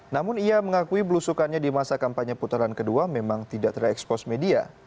namun ia mengakui belusukannya di masa kampanye putaran kedua memang tidak terekspos media